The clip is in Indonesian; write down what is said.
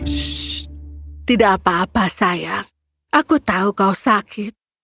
shhh tidak apa apa sayang aku tahu kau sakit